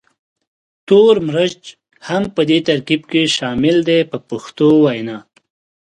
تور مرچ هم په دې ترکیب کې شامل دی په پښتو وینا.